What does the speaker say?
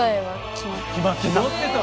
決まってた。